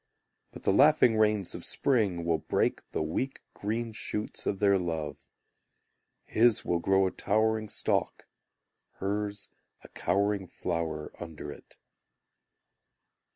But the laughing rains of spring Will break the weak green shoots of their love. His will grow a towering stalk, Hers, a cowering flower under it.